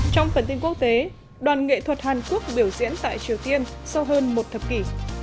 trong phần tin quốc tế đoàn nghệ thuật hàn quốc biểu diễn tại triều tiên sau hơn một thập kỷ